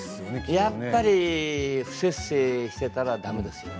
やっぱり不摂生をしていたらだめですよね。